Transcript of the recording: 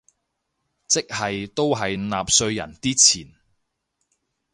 即係都係納稅人啲錢